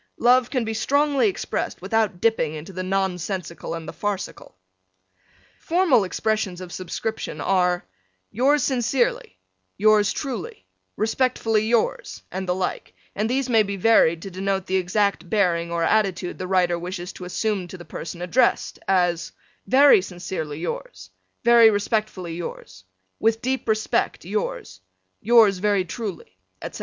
Love can be strongly expressed without dipping into the nonsensical and the farcical. Formal expressions of Subscription are: Yours Sincerely, Yours truly, Respectfully yours, and the like, and these may be varied to denote the exact bearing or attitude the writer wishes to assume to the person addressed: as, Very sincerely yours, Very respectfully yours, With deep respect yours, Yours very truly, etc.